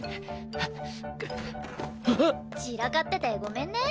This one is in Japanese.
散らかっててごめんね。